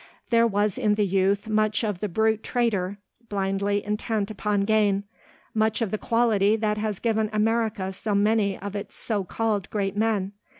There was in the youth much of the brute trader, blindly intent upon gain; much of the quality that has given America so many of its so called great men.